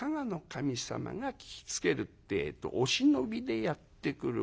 守様が聞きつけるってえとお忍びでやって来る。